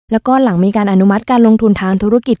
แล้วก็หลังมีการอนุมัติการลงทุนทางธุรกิจ